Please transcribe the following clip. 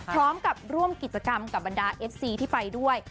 พร้อมกับร่วมกิจกรรมกับบรรดาเอฟซีที่ไปด้วย